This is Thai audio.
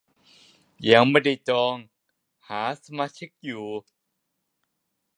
ยังไม่ได้จอง หาสมาชิกอยู่